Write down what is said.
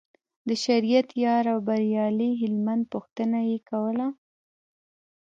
د شریعت یار او بریالي هلمند پوښتنه یې کوله.